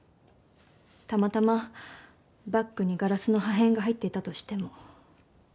たまたまバッグにガラスの破片が入っていたとしても。